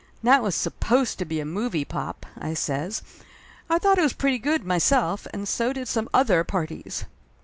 "That was supposed to be a movie, pop!" I says. "I thought it was pretty good, myself, and so did some other parties!"